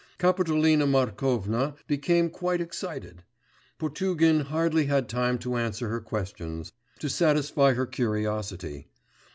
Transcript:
Kapitolina Markovna became quite excited; Potugin hardly had time to answer her questions, to satisfy her curiosity.